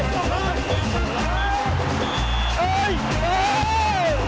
หรือใครกำลังร้อนเงิน